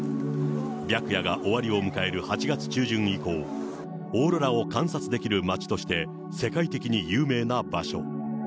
白夜が終わりを迎える８月中旬以降、オーロラを観察できる町として、世界的に有名な場所。